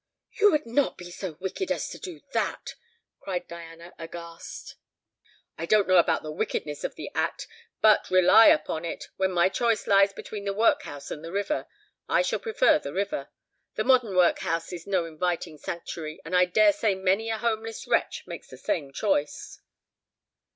"You would not be so wicked as to do that!" cried Diana, aghast. "I don't know about the wickedness of the act. But, rely upon it, when my choice lies between the workhouse and the river, I shall prefer the river. The modern workhouse is no inviting sanctuary, and I dare say many a homeless wretch makes the same choice."